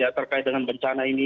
terkait dengan bencana ini